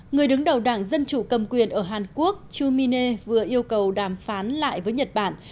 người đứng đầu đảng dân chủ cầm quyền ở hàn quốc chu min hê vừa yêu cầu đàm phán lại với nhật bản